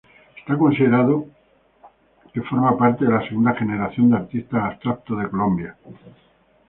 Es considerada ser parte de la segunda generación de artistas abstractos de Colombia.